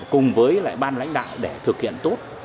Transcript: cùng với lại ban lãnh đạo để thực hiện tốt